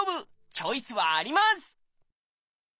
チョイスはあります！